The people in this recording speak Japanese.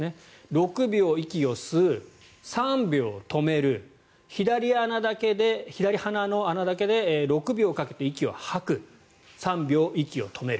６秒、息を吸う３秒、止める左鼻の穴だけで６秒かけて息を吐く３秒、息を止める。